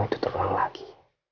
itu terulang lagi